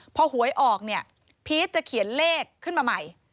พอหวยออกเนี่ยพีชจะเขียนเลขขึ้นมาใหม่